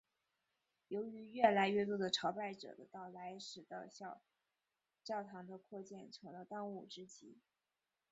由于越来越多的朝拜者的到来使的小教堂的扩建成了当务之急。